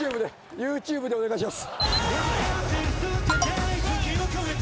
ＹｏｕＴｕｂｅ でお願いします。